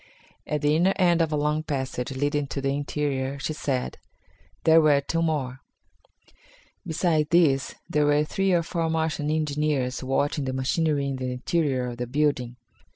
At the inner end of a long passage leading to the interior, she said, there were two more. Besides these there were three or four Martian engineers watching the machinery in the interior of the building.